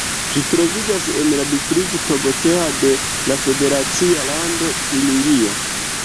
Ĝi troviĝas en la distrikto Gotha de la federacia lando Turingio.